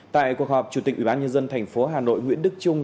tại cuộc họp chủ tịch ủy ban nhân dân thành phố hà nội nguyễn đức trung